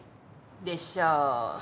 でしょう？